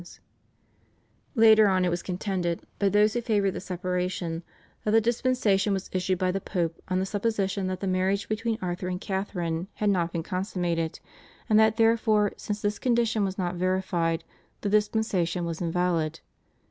Later on it was contended, by those who favoured the separation, that the dispensation was issued by the Pope on the supposition that the marriage between Arthur and Catharine had not been consummated, and that therefore, since this condition was not verified, the dispensation was invalid.